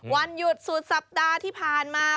วันหยุดสุดสัปดาห์ที่ผ่านมา